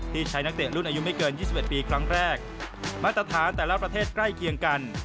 ใช้นักเตะรุ่นอายุไม่เกิน๒๑ปีครั้งแรกมาตรฐานแต่ละประเทศใกล้เคียงกัน